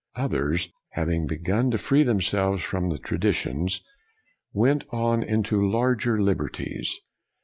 Others, having begun to free themselves from the traditions, went on into larger liberties.